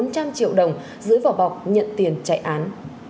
bốn trăm linh triệu đồng dưới vỏ bọc nhận tiền chạy án